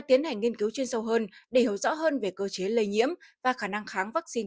tiến hành nghiên cứu chuyên sâu hơn để hiểu rõ hơn về cơ chế lây nhiễm và khả năng kháng vaccine